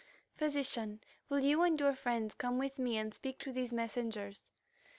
"Physician, will you and your friends come with me and speak to these messengers?"